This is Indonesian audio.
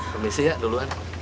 kami isi ya duluan